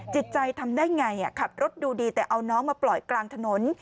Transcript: จิตใจทำได้ไงขับรถดูดีแต่เอาน้องมาปล่อยกลางถนน